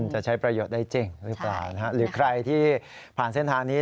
จะใช้ประโยชน์ได้จริงหรือเปล่านะฮะหรือใครที่ผ่านเส้นทางนี้